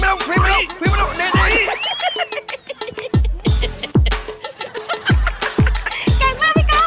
แก่งมากพี่กอฟ